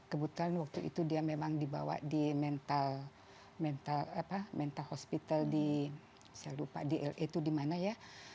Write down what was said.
kebetulan waktu itu dia memang dibawa di mental hospital di saya lupa di la itu dimana ya